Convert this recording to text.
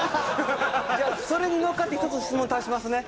じゃあそれに乗っかって１つ質問足しますね。